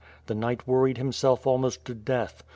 The knight worried himself almost to death.